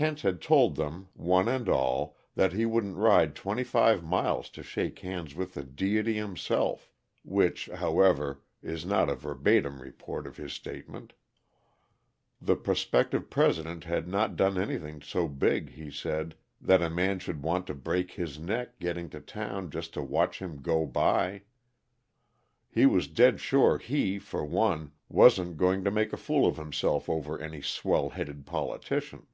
Kent had told them, one and all, that he wouldn't ride twenty five miles to shake hands with the Deity Himself which, however, is not a verbatim report of his statement. The prospective President had not done anything so big, he said, that a man should want to break his neck getting to town just to watch him go by. He was dead sure he, for one, wasn't going to make a fool of himself over any swell headed politician.